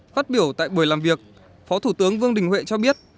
phát biểu tại buổi làm việc phó thủ tướng vương đình huệ cho biết